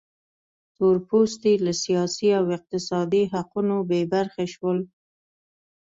تور پوستي له سیاسي او اقتصادي حقونو بې برخې شول.